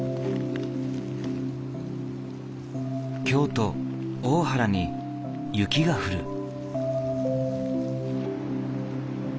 京都・大原に雪が降る。